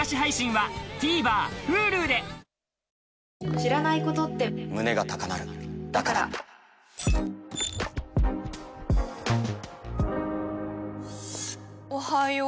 知らないことって胸が高鳴るだからおはよう。